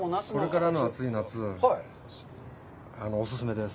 これからの暑い夏にお勧めです。